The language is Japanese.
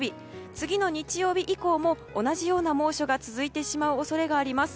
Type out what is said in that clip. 次の日曜日以降も同じような猛暑が続いてしまう恐れがあります。